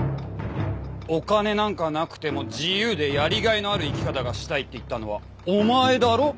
お金なんかなくても自由でやりがいのある生き方がしたいって言ったのはお前だろ！